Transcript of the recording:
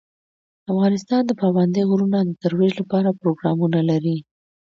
افغانستان د پابندی غرونه د ترویج لپاره پروګرامونه لري.